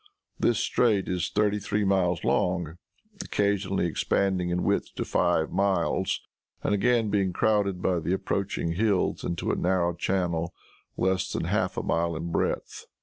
This strait is thirty three miles long, occasionally expanding in width to five miles, and again being crowded by the approaching hills into a narrow channel less than half a mile in breadth.